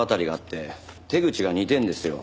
手口が似てんですよ。